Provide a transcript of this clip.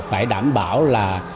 phải đảm bảo là